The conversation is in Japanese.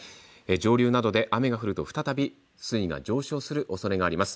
上流などで雨が降ると再び水位が上昇するおそれがあります。